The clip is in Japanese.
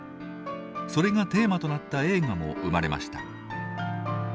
それがテーマとなった映画も生まれました。